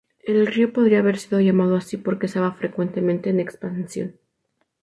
El río podría haber sido llamado así porque estaba frecuentemente en expansión.